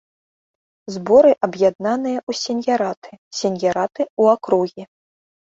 Зборы аб'яднаныя ў сеньяраты, сеньяраты ў акругі.